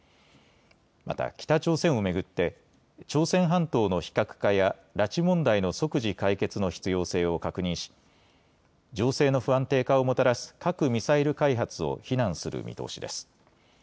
また北朝鮮を巡って朝鮮半島の非核化や拉致問題の即時解決の必要性を確認し情勢の不安定化をもたらす核・ミサイル開発を非難する見通しです。